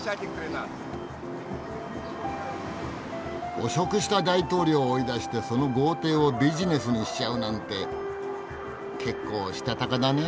汚職した大統領を追い出してその豪邸をビジネスにしちゃうなんて結構したたかだねえ。